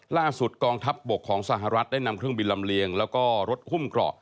กองทัพบกของสหรัฐได้นำเครื่องบินลำเลียงแล้วก็รถหุ้มเกราะ